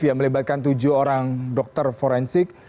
yang melibatkan tujuh orang dokter forensik